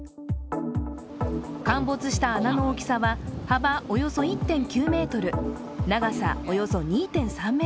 陥没した穴の大きさは幅およそ１．９ｍ、長さ、およそ２．３ｍ。